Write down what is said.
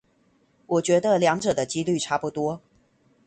我覺得兩者的機率差不多